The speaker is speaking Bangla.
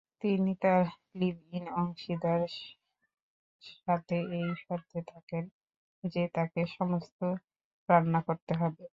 তিনি তার লিভ-ইন অংশীদার সাথে এই শর্তে থাকেন যে তাকে সমস্ত রান্না করতে হবে।